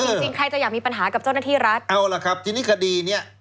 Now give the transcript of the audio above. จริงจริงใครจะอยากมีปัญหากับเจ้าหน้าที่รัฐเอาล่ะครับทีนี้คดีเนี้ย